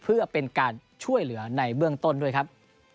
เพื่อเป็นการช่วยเหลือในเบื้องต้นด้วยครับ